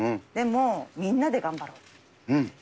でも、みんなで頑張ろう。